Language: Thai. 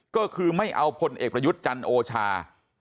ก็คือไม่เอาพลเอกประยุทธ์จันทร์โอชา